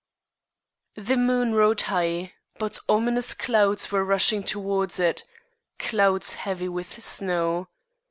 _ The moon rode high; but ominous clouds were rushing towards it clouds heavy with snow.